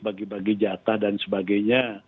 bagi bagi jatah dan sebagainya